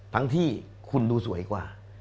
ทั้งที่คุณดูสวยกว่า